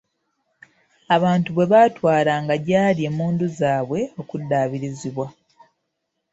Abantu bwe baatwalanga gy'ali emmundu zaabwe okuddaabirizibwa.